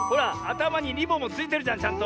たまにリボンもついてるじゃんちゃんと。